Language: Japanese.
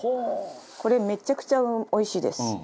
これめちゃくちゃ美味しいです。